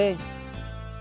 saya sudah kasih suratnya